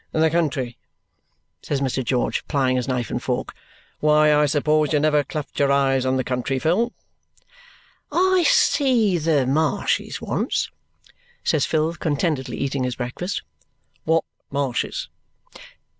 "The country," says Mr. George, plying his knife and fork; "why, I suppose you never clapped your eyes on the country, Phil?" "I see the marshes once," says Phil, contentedly eating his breakfast. "What marshes?"